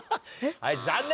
はい残念！